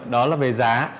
đó là về giá